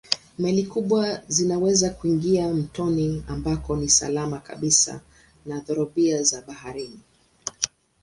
Meli kubwa zinaweza kuingia mtoni ambako ni salama kabisa na dhoruba za baharini.